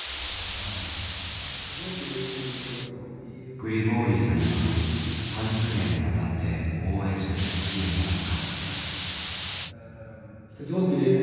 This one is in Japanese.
グリゴーリイさんには３０年にわたって応援してきたチームがあった。